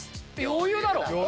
余裕だろ。